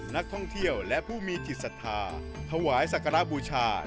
นักท่องเที่ยวและผู้มีจิตศรัทธาถวายศักระบูชา